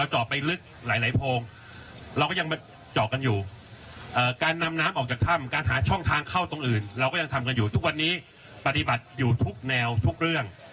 เจาะไปลึกหลายโพงเราก็ยังมาเจาะกันอยู่การนำน้ำออกจากถ้ำการหาช่องทางเข้าตรงอื่นเราก็ยังทำกันอยู่ทุกวันนี้ปฏิบัติอยู่ทุกแนวทุกเรื่อง